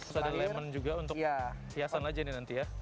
terus ada lemon juga untuk hiasan aja nih nanti ya